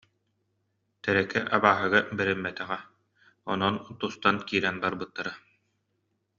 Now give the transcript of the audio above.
Тэрэкэ абааһыга бэриммэтэҕэ, онон тустан киирэн барбыттара